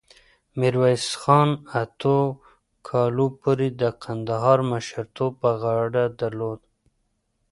میرویس خان اتو کالو پورې د کندهار مشرتوب په غاړه درلود.